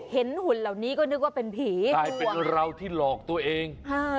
หุ่นเหล่านี้ก็นึกว่าเป็นผีกลายเป็นเราที่หลอกตัวเอง